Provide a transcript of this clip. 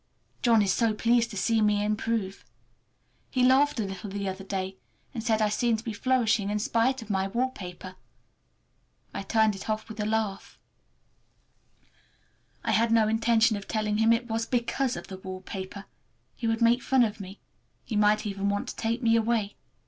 John is so pleased to see me improve! He laughed a little the other day, and said I seemed to be flourishing in spite of my wallpaper. I turned it off with a laugh. I had no intention of telling him it was because of the wallpaper—he would make fun of me. He might even want to take me away.